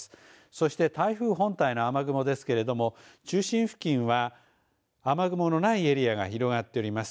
そして台風本体の雨雲ですけれども中心付近は雨雲のないエリアが広がっております。